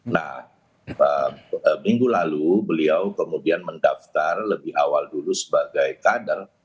nah minggu lalu beliau kemudian mendaftar lebih awal dulu sebagai kader